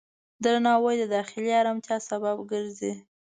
درناوی د داخلي آرامتیا سبب ګرځي.